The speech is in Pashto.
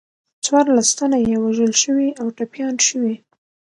څوارلس تنه یې وژل شوي او ټپیان شوي.